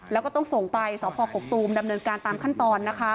แล้วก็ต้องส่งไปสพกกตูมดำเนินการตามขั้นตอนนะคะ